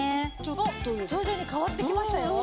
おっ徐々に変わってきましたよ。